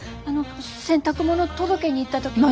あの洗濯物届けに行った時。